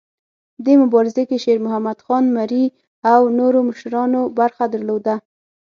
دې مبارزه کې شیرمحمد خان مري او نورو مشرانو برخه درلوده.